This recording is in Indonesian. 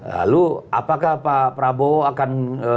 lalu apakah pak prabowo akan